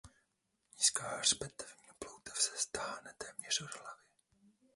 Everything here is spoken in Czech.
Nízká hřbetní ploutev se táhne téměř od hlavy.